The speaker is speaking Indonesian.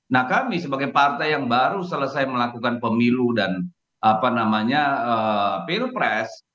nah kami sebagai partai yang baru selesai melakukan pemilu dan pilpres